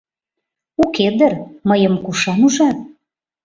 Уке дыр, мыйым кушан ужат?